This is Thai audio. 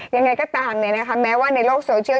ยังไงก็ตามเนี่ยนะคะแม้ว่าในโลกโซเชียล